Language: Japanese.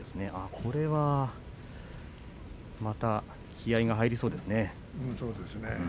これはまた気合いが入りそうですね。